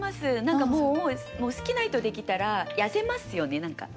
何かもう好きな人できたら痩せますよね？